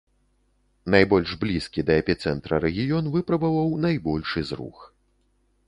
Найбольш блізкі да эпіцэнтра рэгіён выпрабаваў найбольшы зрух.